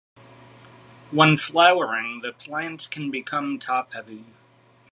When flowering, the plant can become top heavy.